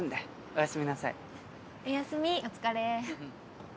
お疲れ。